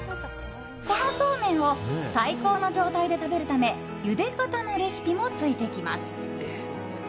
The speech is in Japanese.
このそうめんを最高の状態で食べるためゆで方のレシピもついてきます。